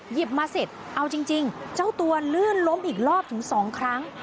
หยิบมาเสร็จเอาจริงเจ้าตัวลื่นล้มอีกรอบถึง๒ครั้ง